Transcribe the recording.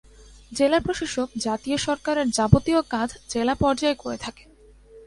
জেলা প্রশাসক জাতীয় সরকারের যাবতীয় কাজ জেলা পর্যায়ে করে থাকেন।